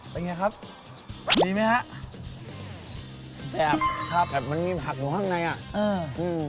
เป็นไงครับดีไหมฮะแอบครับแบบมันมีผักอยู่ข้างในอ่ะเอออืม